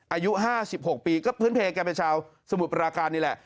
อายุ๕๖ปีก็พื้นเพลแกเป็นชาวสมุทรปราการนี่แหละ